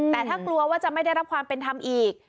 แต่ถ้ากลัวว่าจะไม่ได้รับความเป็นธรรมอีก